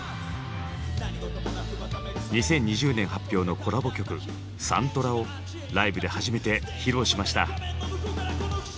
２０２０年発表のコラボ曲「サントラ」をライブで初めて披露しました。